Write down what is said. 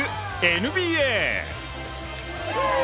ＮＢＡ。